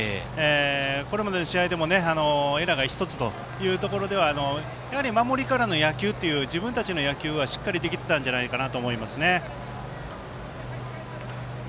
これまでの試合でもエラーが１つというところでは守りからの野球という自分たちの野球がしっかりできてたんじゃないのかなと思いますね。